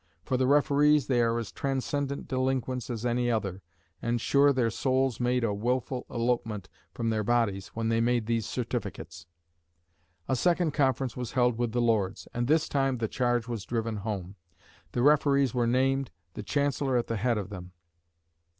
For the referees, they are as transcendent delinquents as any other, and sure their souls made a wilful elopement from their bodies when they made these certificates." A second conference was held with the Lords, and this time the charge was driven home. The referees were named, the Chancellor at the head of them.